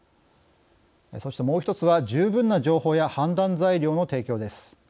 そしてもう一つは十分な情報や判断材料の提供です。